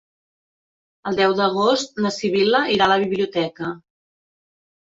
El deu d'agost na Sibil·la irà a la biblioteca.